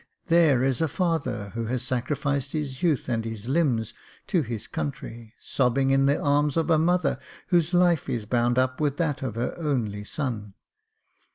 There is a father who has sacrificed his youth and his limbs to his country, sobbing in the arms of a mother whose life is bound up with that of her only son.